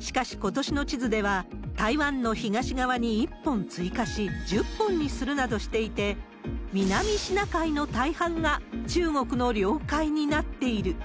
しかし、ことしの地図では、台湾の東側に１本追加し、１０本にするなどしていて、南シナ海の大半が中国の領海になっている。